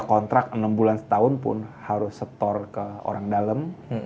kerja kontrak enam bulan setahun pun harus store ke orang dalem